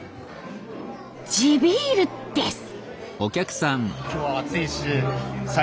地ビールです。